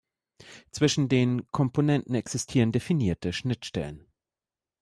Zwischen den Komponenten existieren definierte Schnittstellen.